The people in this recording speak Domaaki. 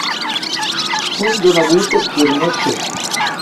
ہنزو نا بوتک کیراما چھے